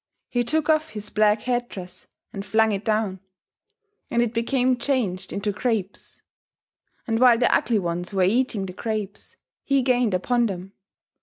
He took off his black headdress and flung it down; and it became changed into grapes; and while the Ugly Ones were eating the grapes, he gained upon them.